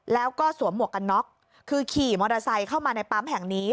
แล้วก็สวมหมวกกันน็อกคือขี่มอเตอร์ไซค์เข้ามาในปั๊มแห่งนี้